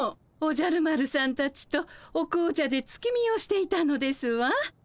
おじゃる丸さんたちとお紅茶で月見をしていたのですわ。